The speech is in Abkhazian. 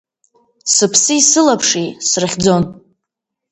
Сыԥси сылаԥши срыхьӡон…